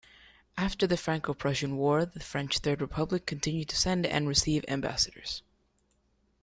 After the Franco-Prussian War, the French Third Republic continued to send and receive ambassadors.